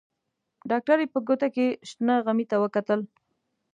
ډاکټرې په ګوته کې شنه غمي ته وکتل.